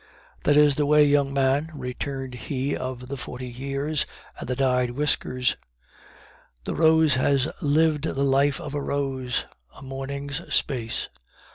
"That is the way, young man," returned he of the forty years and the dyed whiskers: "The rose has lived the life of a rose A morning's space."